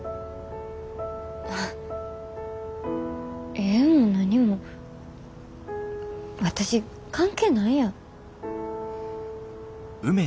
ええも何も私関係ないやん。